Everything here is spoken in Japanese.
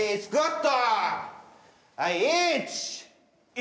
１！